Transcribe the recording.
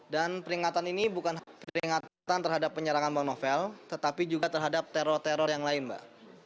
dan peringatan ini bukan peringatan terhadap penyerangan novel tetapi juga terhadap teror teror yang lain mbak